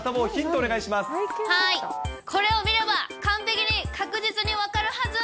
おはい、これを見れば完璧に確実に分かるはず。